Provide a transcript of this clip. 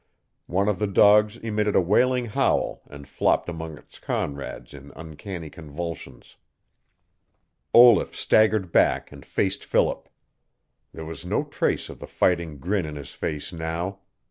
One of the dogs emitted a wailing howl and flopped among its comrades in uncanny convulsions. Olaf staggered back, and faced Philip. There was no trace of the fighting grin in his face now.